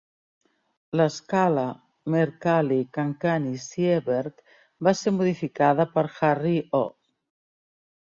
L'escala Mercalli-Cancani-Sieberg va ser modificada per Harry O.